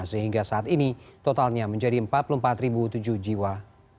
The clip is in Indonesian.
sehingga saat ini totalnya menjadi empat puluh empat tujuh jiwa